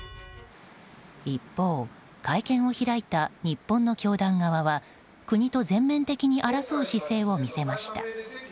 一方、会見を開いた日本の教団側は国と全面的に争う姿勢を見せました。